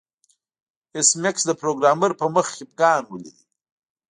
ایس میکس د پروګرامر په مخ خفګان ولید